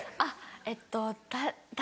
えっと誰。